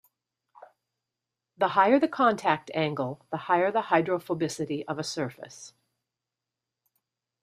The higher the contact angle the higher the hydrophobicity of a surface.